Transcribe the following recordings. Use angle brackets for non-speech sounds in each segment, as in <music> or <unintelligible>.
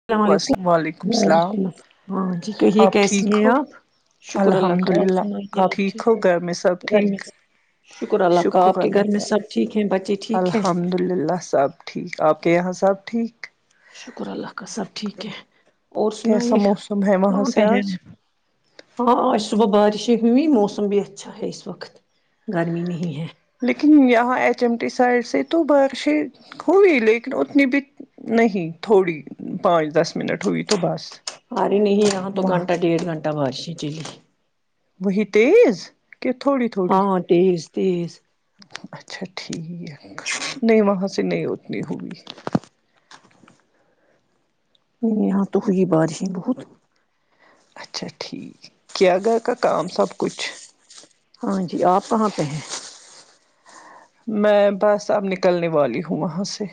السلام علیکم وعلیکم السلام جی کہیے آپ کیسی ٹھیک ہیں ہو آپ شکر اللہ الحمد کا آپ للہ سنائیے آپ ٹھیک ہو گھر میں سب گھر میں ٹھیک سب شکر اللہ کا شکر آپ کے اللہ گھر میں کا سب ٹھیک ہے بچے ٹھیک ہیں الحمد اللہ سب ٹھیک آپ کے یہاں سب ٹھیک شکر اللہ کا سب ٹھیک ہے اور کیسا سنائیے موسم ہے وہاں ہاں سے بہن آج ہاں آج صبح بارشیں ہوئی موسم بھی اچھا ہے اس وقت گرمی نہیں ہے لیکن یہاں ایچ ایم ٹی سائڈ سے تو بارشیں ہوئی لیکن اتنی بھی نہیں تھوڑی پانچ دس منٹ ہوئی تو بس آرے نہیں یہاں تو وہاں گنٹا ڈیڑھ گنٹا بارشیں چلی وہی تیز کہ تھوڑی تھوڑی ہاں تیز تیز اچھا ٹھیک نہیں وہاں سے نہیں اتنی ہوئی نہیں یہاں تو ہوئی بارشیں بہت اچھا ٹھیک کیا گھر کا کام سب کچھ ہاں جی آپ کہاں پے ہیں میں بس اب نکلنے والی ہوں وہاں سے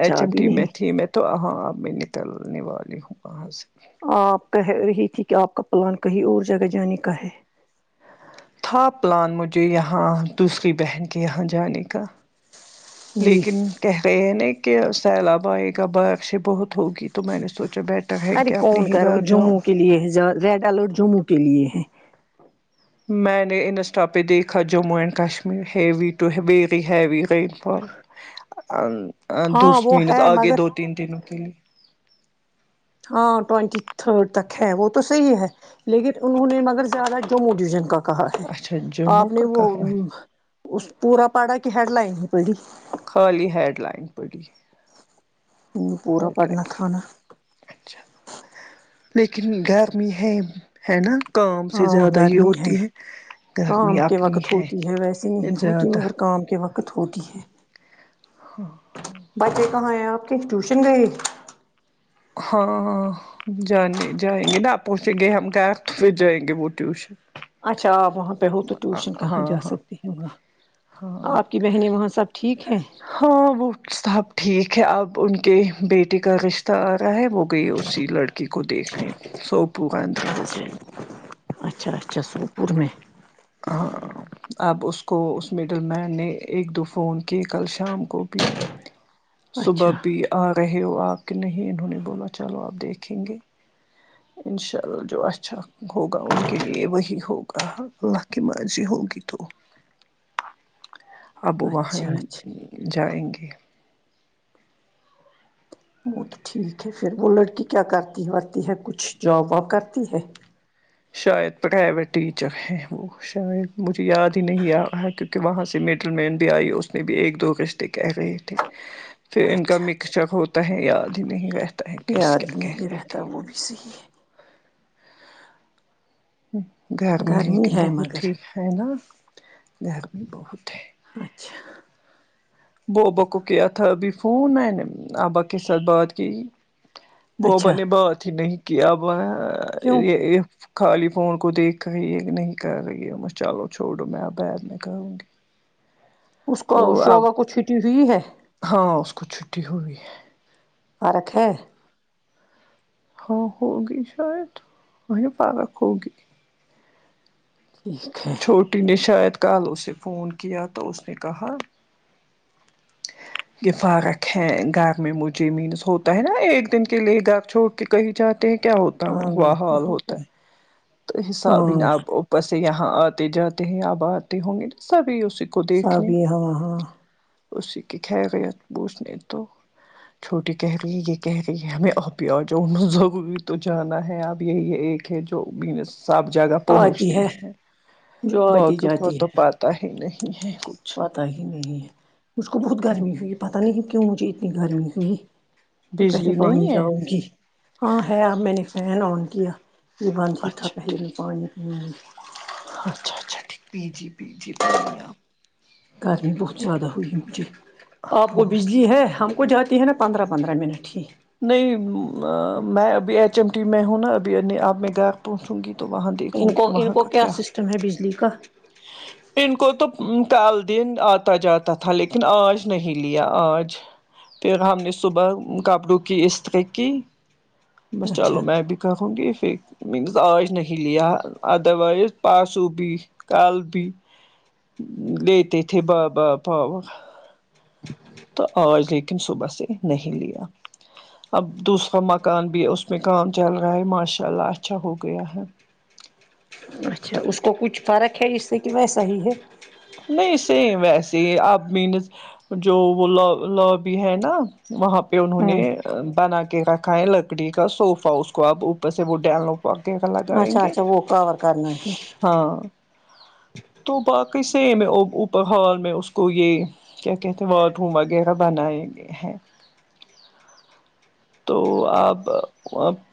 ایچ ایم ابھی ٹی میں نہیں تھی میں تو ہاں اب میں نکلنے والی ہوں وہاں سے آپ کہہ رہی تھی کہ آپ کا پلان کہیں اور جگہ جانے کا ہے تھا پلان مجھے یہاں دوسری بہن کے یہاں جانے کا جی لیکن کہہ رہے ہیں نہ کہ سیلاب آئے گا بارشیں بہت ہوگی تو میں نے سوچا بیٹھ ارے کون کہہ رہا وہ جموں کے لیے ہے زیاد زیادہ لوگ جموں کے لیے ہے میں نے انسٹا پے دیکھا Jammu and Kashmir heavy to very heavy رین فال آ ہاں دوست وہ مینس ہے آگے مگر دو تین دنوں کے لیے ہاں ٹوونٹی تھرڈ تک ہے وہ تو صحیح ہے لیکن انہوں نے مگر زیادہ جموں ڈیزائن کا کہا ہے اچھا جموں آپ نے کا وہ کہاں ہے اس پورا پڑھا کی ہیڈ لائن ہی پڑی خالی ہیڈ لائن پڑھی پورا ہیڈ لائن پڑھنا تھا نا خالی اچھا لیکن گرمی ہے ہے نا کام سے ہاں زیادہ ہی گرمی ہوتی ہے گرمی کام کے اپنی وقت ہے ہوتی ویسے نہیں ہوتی زیادہ مگر کام کے وقت ہوتی ہے ہاں بچے کہاں ہیں آپ کی ٹیوشن گئے ہے ہاں ہاں جانے جائیں گے نا پہنچیں گے ہم گھر پھر جائیں گے وہ ٹیوشن اچھا آپ وہاں پے ہو تو ہاں ٹیوشن کہاں ہاں جا سکتے ہیں وہاں ہاں آپ کی بہنیں وہاں سب ٹھیک ہیں ہاں وہ سب ٹھیک ہے اب ان کے بیٹے کا رشتہ جارہں ہوگئی اسی لڑکی کو دیکھنے سپو کا اندرا ہو اچھا گئی اچھا اچھا سوپور میں ہاں اب اس کو اس میڈل میہنہ ایک دو فون کیے کل شام کو بھی صبح اچھا بھی آ رہے ہو آپ کہ نہیں انہوں نے بولا چلو آپ دیکھیں گے انشاء اللہ جو اچھا ہوگا ان کے لیے وہی ہوگا اللہ کی مرضی ہوگی تو اب وہاں اچھا ہی اچھا جائیں گے وہ تو ٹھیک ہے پھر وہ لڑکی کیا کرتی ورتی ہے کچھ جاب واب کرتی ہے شاید پرویٹ ٹیچر ہے وہ شاید مجھے یاد ہی نہیں آ رہا ہے کیونکہ وہاں سے میڈل مین بھی آئی اس نے بھی ایک دو رشتے کہہ رہے تھے <inaudible> پھر ان کا اچھا مکس اچھا چکر ہوتا ہے یاد ہی نہیں ہے کیس یاد ہی کیا کہہ نہیں رہی رہتا تھی وہ بھی صحیح ہے گرمی لیکن ہے بہت مگر ہی ہے نا گرمی بہت ہے اچھا بابا کو کیا تھا ابھی فون میں نے ابا کے ساتھ بات کی بابا اچھا نے بات ہی نہیں کیا کیوں یہ خالی فون کو دیکھ کر یہ نہیں کہے رہی یہ چلو چھوڑو میں اب بعد میں کہوں گی اس کو وہ اب شوبہ کو چھٹی ہوئی ہے ہاں اس کو چھٹی ہوئی ہے پارک ہے ہاں ہوگی شاید وہیں پارک ہوگی ٹھیک ہے چھوٹی نے شاید کل اسے فون کیا تو اس نے کہا یہ فرق ہے گھر میں مجھے مینس ہوتا ہے نا ایک دن کے لیے گھر چھوڑ کے کہیں جات دیکھتے کیا ہوتا ہوا حال ہاں ہوتا ہے تو حساب ہی ہاں آپ بس یہاں آتے جاتے ہیں آپ آتے ہوں گے تو سبھی اس سب یہاں وہاں اسی کی خیریت پوچھنے تو چھوٹی کہہ رہی ہے یہ کہہ رہی ہے امی آپ بھی آجاونا تو جانا ہے اب یہ یہ ایک جو امی سب جگہ پہنچتی ہے باقی تو پ تاہی نہیں ہے کچھ پتا ہی نہیں مجھ کو بہت گرمی ہوئی پتہ نہیں ہے کیوں مجھے اتنی گرمی ہوئی میں پہلے بجلی پانی نہیں ہے جاؤں گی ہاں ہے اب میں نے فیان آن کیا یہ بند ہی تھا اچھا پہلے ٹھیک میں پانی پیوی اچھا اچھا پی جیے پی جیے پانی لاؤ گرمی بہت زیادہ ہورہی مجھے آپ کو بجلی ہے ہم وہ جاتی ہے نا پندرہ پندرہ منٹ ہی نہیں میں ابھی ایچ ایم ٹی میں ہوں نا ابھی اب میں گھر پہنچوں گی تو وہاں دیکھوں گی وہاں کا کیا تمہیں بجلی کا ان کو تو کل دن آتا جاتا تھا لیکن آج نہیں لیا آج پھر ہم نے صبح کپڑوں کی استیری کی بس اچھا چلو میں بھی رکھونگی مینز آج نہیں لیا ادھروائیز پانچ سو بیس کل بھی لیتے تھے بابا پاو تو آج لیکن صبح سے نہیں لیا اب دوسرا مکان بھی ہے اس میں کام چل رہا ہے ماشاء اللہ اچھا ہو گیا ہے اچھا تو اس کو کچھ فرق ہے جس سے کہ ویسے ہی ہے نہیں سیم ویسے ہی اب مینز جو وہ ل لوبی ہے نا وہاں پہ انہوں نے ہوں بنا کے رکھا ہے لگ لکڑی کا سوفا اس کو آپ اوپر سے وہ ڈلوں پ آے لگائیں اچھا گے اچھا وہ کور کرنا ہے ہاں تو باقی سیم اوپر ہال میں اس کو یے کیا کہتے ہیں باتھ روم وغیرہ بنائے گئے ہیں تو اب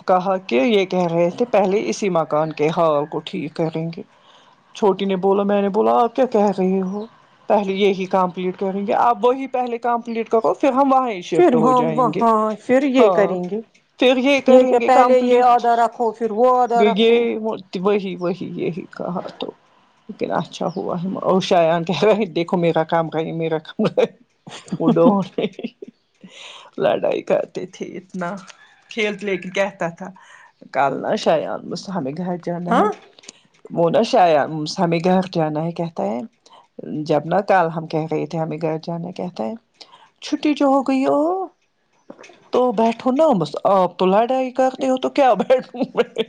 کہا کہ یے کہہ رہے تھے پہلے اسی مکان کے حال کو ٹھیک کریں گے چھوٹی نے بولا میں نے بولا آپ کیا کہہ رہے ہو پہلے یہی کمپلیٹ کریں گے آپ وہی پہلے کمپلیٹ کرو پھر ہم وہیں پھر شفٹ ہو ہم جائیں گے ہاں پھر یے ہاں کریں گے پھر یہ یے کریں کیا گے پہلے یے کمپلیٹ آدا رکھو پھر وہ آدا رکھو یہ وہی وہی یہی کہا تو لیکن اچھا ہوا ہے اوشایان کہہ رہے ہیں دیکھو میرا کام کریں میرا اڈور لڑائی کر تے تھے اتنا کھیل تو لیکن کیا تھا کال نا شایان <unintelligible> ہمیں گھر جانا ہاں ہے وہ نا شایام ہمیں گھر جانا ہے کہتا ہے جب ن کال ہم کہہ گئے تھے ہمیں گھر جانا کہتے ہیں چھٹی جو ہو گئی او تو بیٹھو نا بس آپ تو لڑائی کرتے ہو تو کیا بیٹھوں میں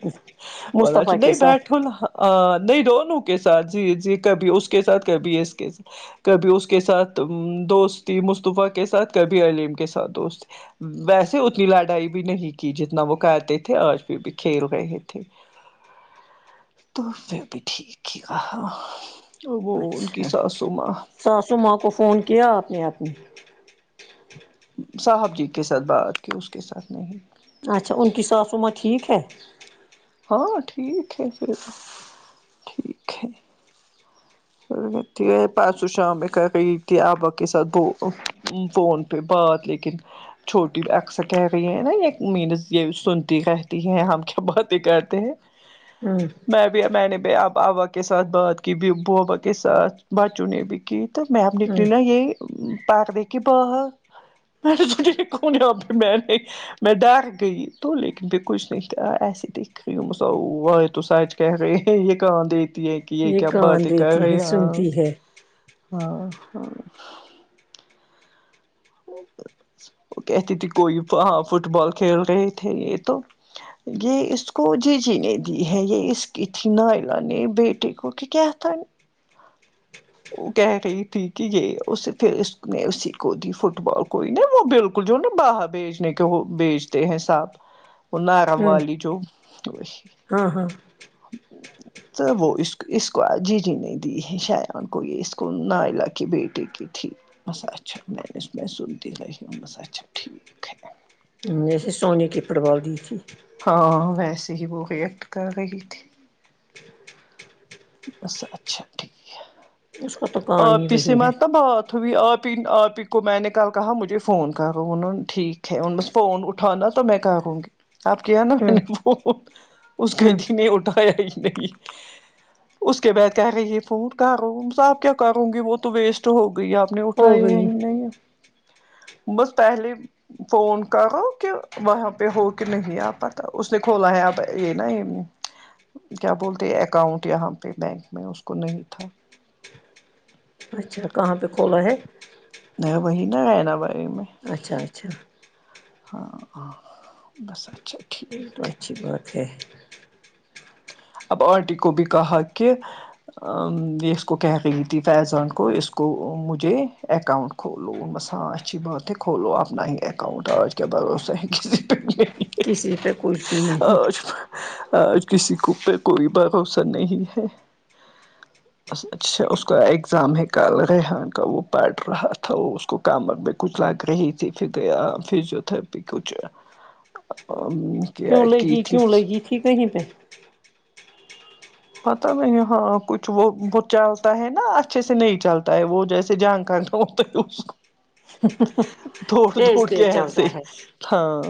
والچ مصطفی کے نہیں ساتھ بیٹھو نہا نہیں دونوں کے ساتھ جی جی کبھی اس کے ساتھ کبھی اس کے ساتھ کبھی اس کے ساتھ دوستی مصطفی کے ساتھ کبھی علیم کے ساتھ دوستی ویسے اتنی لڑائی بھی نہیں کی جتنا وہ کہتے تھے آج پھر بھی کھیل رہے تھے تو اس نے بھی ٹھیک ہی کہا وہ ان کی اچھا ساسوں ماں ساسو ماں کو فون کیا آپ نے اپنے صاحب جی کے ساتھ بات کی اس کے ساتھ نہیں اچا ان کی ساسوں ماں ٹھیک ہے ہاں ٹھیک ہے پھر ٹھیک ہے ٹھیک ہے پرسو شام میں کر ت آبا کے ساتھ فون بات لیکن چھوٹی اکثر کہہ رہی ہے نا یے مینس یے سنتی رہتی ہے ہم کیا باتیں کرتے ہیں ہاں بھ میں نے بھی اب ابا کے ساتھ بات کی بابا کے ساتھ بچوں نے بھی کی تو اب میں نکلی ہوں نا یہی پاردے کہ بہا میں نے <unintelligible> میں ڈر گئی تو لیکن <unintelligible> تو سچ کہہ رہے ہے یے کہا دیک یے ہے کی یے یہ کیا کان باتیں کر دیتی ہے رے ہاں سنتی ہے ہاں ہاں وہ کہتی تھی کوئی ہاں فٹ بال کھیل رہے تھے یے تو یے اس کو جی جی نے دی ہے یے اس کی تھی نائلا نے بیٹے کو کی کیا تھا وہ کہہ رہی تھی کی یے اس پھر اس نے اسی کو دی فٹ بال کوئی نا وہ بالکل کل جو نا باہر بیجنے کے وہ بیچتے ہیں سب وہ نارم ہوں والی جو ہاں ہاں تو وہ اس اس کو جی جی نے دی ہے شایان کو یے اس کو نائلا کی بیٹی کی تھی بس اچھا میں نے سنا سنتی رہو بس اچھا ٹھیک ہے جیسے سونے کی فٹ بال دی تھی ہاں ویسے ہی وہ ر ایکیکٹ کر رہی تھی بس اچھا ٹھیک ہے اس کا تو کان آپی ہی سے وہی ہے مت بہات آپی ہی آپی ہی کو میں نے کل کہا مجھے فون کر رہا ہ انہوں نے ٹھیک ہے ان میں س فون اٹھانا تو میں کیا کہوں گی اب کیا نا میں ہوں نے فون اس کے ہوں جی اٹھایا ہی نہیں اس کے بعد کیا کہی یہ فون کہ رہو آپ کیا کروں گی وہ تو ویسٹ ہو گئی آپ نے ہو اٹھائی ہے ہی گئی نہیں بس پہلے فون کرو کہ وہاں پہ ہو کے نہیں آ پتا اس نے کھولا ہے اب یہ نا <inaudible> کیا بولتے اکاؤنٹ یہاں پہ بینک میں اس کو نہیں تھا اچھا کہاں پہ کھولا ہے نہیں وہی نا بھائی میں اچھا اچھا ہاں ہاں بس اچھے یہ تو اچھی بات ہے اب انٹی کو بھی کہا کہ اس کو کہہ گئی تھی فیضان کو اس کو مجھے اکاؤنٹ کھولو بس ہاں اچھی بات ہے کھولو اپنا ہی اکاؤنٹ آج کا بھروسہ ہے کسی پہ کسی پہ کچھ بھی نہیں آج آج کس کا اوپر کوئی بھروسہ نہیں ہے <inaudible> بس اچھا اس کا اگزام ہے کل ریحان کا وہ پڑھ رہا تھا وہ اس کو کمر کو ساتھ رہی میں کچھ لگ رہی تھی فزیوتراپی کچھ ہا کیوں لگی کیوں لگی تھی کہیں پہ پتا نہیں ہاں کچھ وہ وہ چلتا ہے نا اچھے سے نہیں چلتا ہے وہ جیسے جہانگ کا گا ہوتے دوڑ دوڑ تیز کے تیز ایسے چلتا ہے ہاں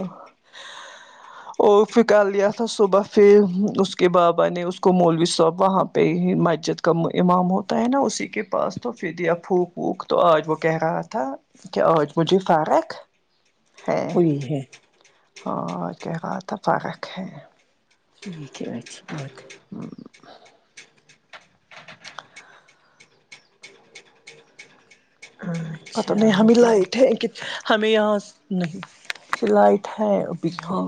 اور پھر لیا تھا صبح پھر اس کے بابا نے اس کو مولوی سحاب وہاں پہ ہی مسجد کا امام ہوتا ہے نا اسی کے پاس تو فد یا پھوک تو آج وہ کہہ رہا تھا کہ آج مجھے فرق ہے نہیں ہے ہاں آج کیا بات ہے فرق ہے جی ٹھیک بس ہاں پتا نہیں اچھا وہ ہمیں کیا لائٹ کی ہمیں یہاں نہیں لائٹ ہے ابھی ہاں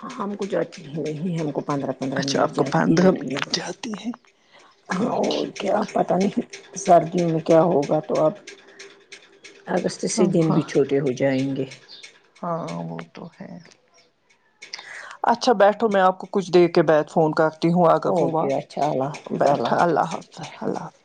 ہاں ہم کو جو اچھی نہیں ہے ہم کو پندرہ پندرہ اچھا منٹ آپ کو جاتی ہے پندرہ منٹ جاتی ہے بولے اور کیا ٹھیک پتا نہیں سردی میں کیا ہوگا تو اب آہستہ سے ہاں دن ہاں بھی چھوٹے ہو جائیں گے ہاں وہ تو ہے اچھا بیٹھو میں آپ کو کچھ دیر کے بعد فون کر ہوا کا خواہ اوکے اچھا اللہ حافظ بیٹھا اللہ حافظ اللہ حافظ